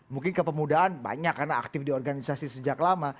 mungkin kepemudaan banyak karena aktif di organisasi sejak lama